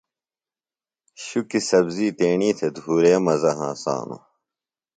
شُکیۡ سبزی تیݨی تھےۡ دُھورے مزہ ہنسانوۡ۔